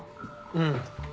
うん。